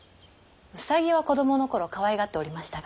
兎は子供の頃かわいがっておりましたが。